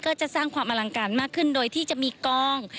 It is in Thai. ก็จะสร้างความอลังการมากขึ้นโดยที่จะมีกอง